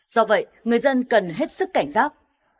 do vậy người dân cần hết sức cảnh giác